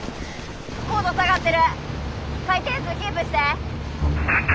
高度下がってる回転数キープして。